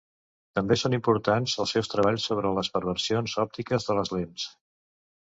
També són importants els seus treballs sobre les perversions òptiques de les lents.